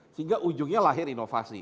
sehingga ujungnya lahir inovasi